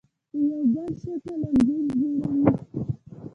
په یو بل شکل انځور جوړوي.